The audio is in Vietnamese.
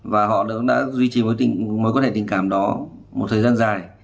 và họ đều đã duy trì mối quan hệ tình cảm đó một thời gian dài